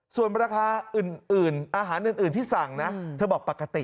ส่วนราคาอื่นอาหารอื่นที่สั่งนะเธอบอกปกติ